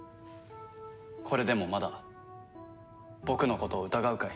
これでもまだ僕のことを疑うかい？